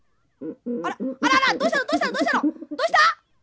あらあららどうしたのどうしたのどうしたの？